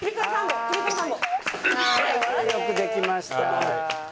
「よくできました」。